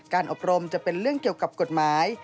อบรมจะเป็นเรื่องเกี่ยวกับกฎหมาย